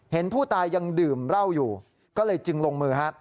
เห็นผู้ตายยังดื่มเหล้าอยู่ก็เลยจึงลงมือฮะ